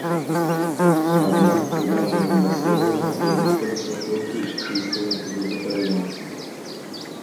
Аднак у дадзеным даследаванні ўлічваліся толькі чыстыя вегетарыянцы.